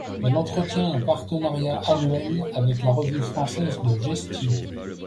Elle entretient un partenariat annuel avec la Revue française de gestion.